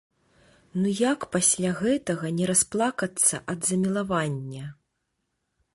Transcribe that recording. Ну як пасля гэтага не расплакацца ад замілавання!